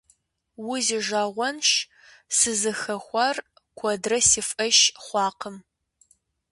Узижагъуэнщ! Сызыхэхуар куэдрэ си фӀэщ хъуакъым.